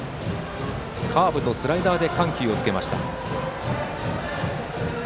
カーブとスライダーで緩急をつけてきました。